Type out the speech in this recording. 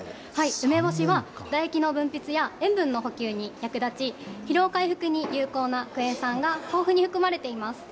梅干しは、唾液の分泌や塩分の補給に役立ち、疲労回復に有効なクエン酸が豊富に含まれています。